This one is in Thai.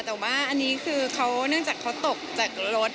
แต่ว่าอันนี้คือเขาเนื่องจากเขาตกจากรถ